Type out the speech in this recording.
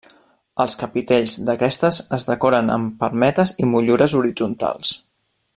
Els capitells d'aquestes es decoren amb palmetes i motllures horitzontals.